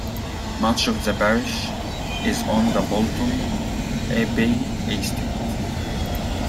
Much of the parish is on the Bolton Abbey estate.